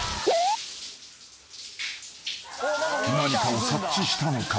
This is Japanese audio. ［何かを察知したのか］